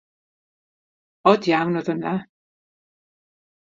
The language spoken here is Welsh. Od iawn oedd hynna.